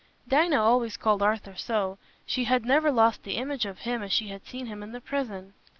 Dinah always called Arthur so; she had never lost the image of him as she had seen him in the prison.